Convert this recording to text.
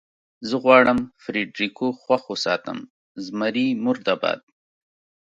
زه غواړم فرېډرېکو خوښ وساتم، زمري مرده باد.